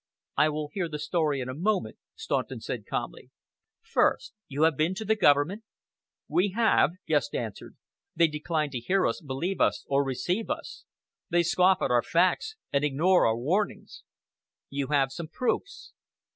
"I will hear the story in a moment," Staunton said calmly. "First! You have been to the government?" "We have," Guest answered. "They decline to hear us, believe us, or receive us. They scoff at our facts and ignore our warnings." "You have some proofs?"